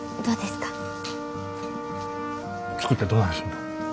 作ってどないすんねん。